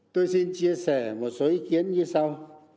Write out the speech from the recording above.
tôi xin chia sẻ một số ý kiến như sau